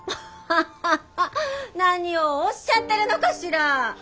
ハハハ何をおっしゃってるのかしら。